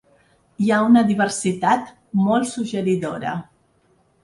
Hi ha una diversitat molt suggeridora.